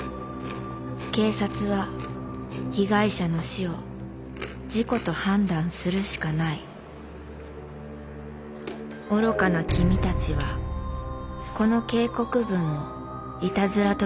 「警察は被害者の死を事故と判断するしかない」「愚かな君たちはこの警告文を悪戯と決めつけるだろう」